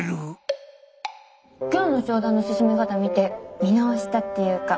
今日の商談の進め方見て見直したっていうか。